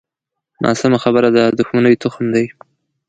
ناسمه خبره د دوښمنۍ تخم دی